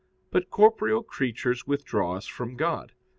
But corporeal creatures withdraw us from God.